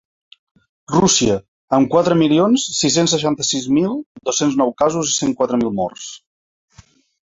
Rússia, amb quatre milions sis-cents seixanta-sis mil dos-cents nou casos i cent quatre mil morts.